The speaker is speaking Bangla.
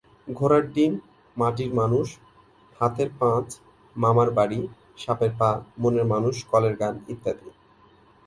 ঘোড়ার ডিম, মাটির মানুষ, হাতের পাঁচ, মামার বাড়ি, সাপের পা, মনের মানুষ, কলের গান ইত্যাদি।